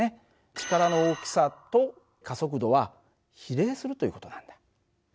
力の大きさと加速度は比例するという事なんだ。